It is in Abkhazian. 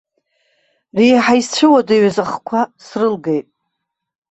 Реиҳа исцәыуадаҩыз ахқәа срылгеит.